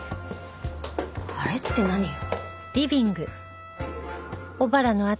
あれって何よ。